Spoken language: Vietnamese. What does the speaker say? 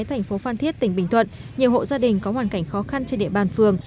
thành phố phan thiết tỉnh bình thuận nhiều hộ gia đình có hoàn cảnh khó khăn trên địa bàn phường